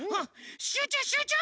しゅうちゅうしゅうちゅう！